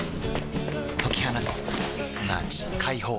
解き放つすなわち解放